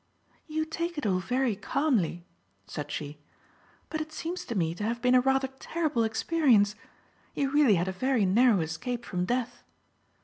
"You take it all very calmly," said she, "but it seems to me to have been a rather terrible experience. You really had a very narrow escape from death."